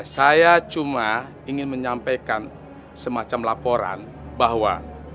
saya cuma ingin menyampaikan semacam laporan bahwa